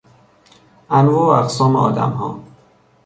انواع و اقسام آدمها